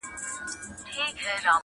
ځيني يې درد بولي ډېر-